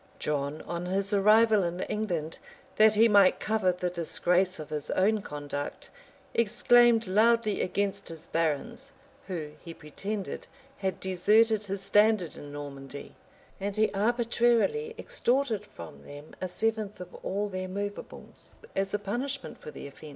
John, on his arrival in England, that he might cover the disgrace of his own conduct, exclaimed loudly against his barons, who, he pretended, had deserted his standard in Normandy; and he arbitrarily extorted from them a seventh of all their movables, as a punishment for the offence.